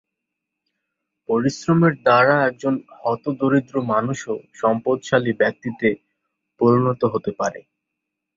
পরিশ্রমের দ্বারা একজন হতদরিদ্র মানুষও সম্পদশালী ব্যক্তিতে পরিণত হতে পারে।